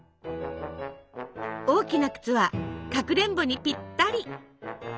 大きなくつはかくれんぼにぴったり！